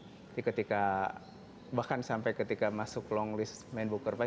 jadi ketika bahkan sampai ketika masuk long list main book terbaik